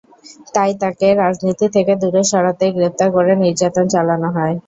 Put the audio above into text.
তাই তাঁকে রাজনীতি থেকে দূরে সরাতেই গ্রেপ্তার করে নির্যাতন চালানো হয়।